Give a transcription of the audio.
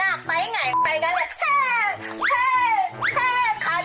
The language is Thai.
น่าจะไปไหนไปกันเลย